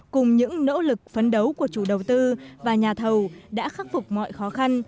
cùng những nỗ lực phấn đấu của chủ đầu tư và nhà thầu đã khắc phục mọi khó khăn